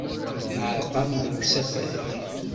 Tɛerqemt deg usafag.